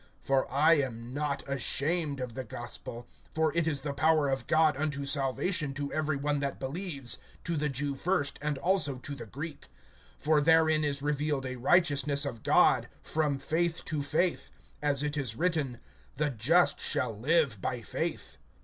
(16)For I am not ashamed of the gospel; for it is the power of God unto salvation to every one that believes, to the Jew first, and also to the Greek. (17)For therein is revealed a righteousness of God, from faith to faith; as it is written: The just shall live by faith.